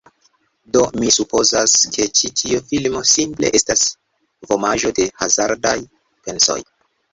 Do mi supozas, ke ĉi tio filmo simple estas vomaĵo de hazardaj pensoj.